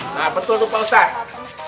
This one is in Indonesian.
nah betul itu pak ustadz